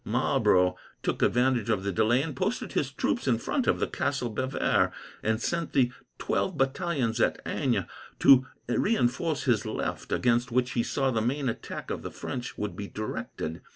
Marlborough took advantage of the delay, and posted his troops in front of the castle of Bevere, and sent the twelve battalions at Eynes to reinforce his left, against which he saw the main attack of the French would be directed.